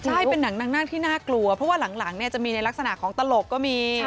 ใช่เป็นหนังนางนั่งที่น่ากลัวเพราะว่าหลังเนี่ยจะมีในลักษณะของตลกก็มี